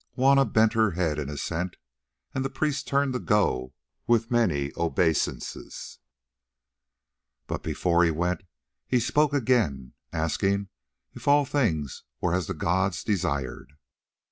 Juanna bent her head in assent, and the priest turned to go with many obeisances; but before he went he spoke again, asking if all things were as the gods desired.